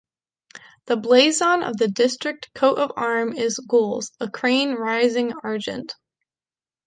The blazon of the district coat of arms is Gules, a Crane rising Argent.